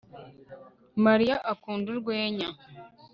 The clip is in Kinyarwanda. mariya akunda urwenya. (spamster